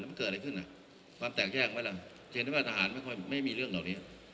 มันเกิดอะไรขึ้นอ่ะความแตกแยกไหมล่ะจะเห็นได้ว่าทหารไม่ค่อยไม่มีเรื่องเหล่านี้